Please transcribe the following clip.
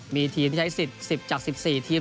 มีทีมที่ใช้สิทธิ์๑๐จาก๑๔ทีม